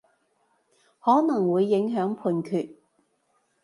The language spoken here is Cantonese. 可能會影響判斷